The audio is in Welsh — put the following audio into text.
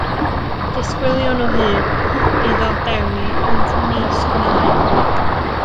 Disgwyliwn o hyd iddo dewi, ond nis gwnâi.